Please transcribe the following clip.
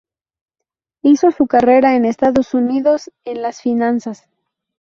Hizo su carrera en Estados Unidos en las finanzas.